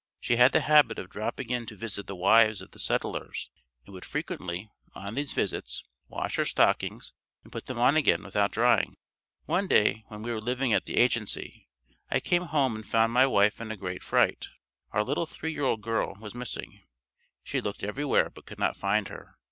She had the habit of dropping in to visit the wives of the settlers and would frequently; on these visits, wash her stockings and put them on again without drying. One day when we were living at the agency I came home and found my wife in a great fright. Our little three year old girl was missing. She had looked everywhere but could not find her.